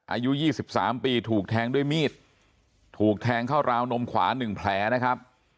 อายุยี่สิบสามปีถูกแทงด้วยมีดถูกแทงเข้าราวนมขวาหนึ่งแผลนะครับ